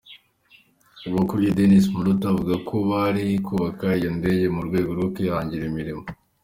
Ubakuriye, Denis Muluuta, avuga ko bari kubaka iyo ndege mu rwego rwo kwihangira imirimo.